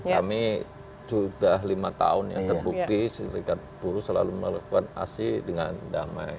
kami sudah lima tahun ya terbukti serikat buruh selalu melakukan asi dengan damai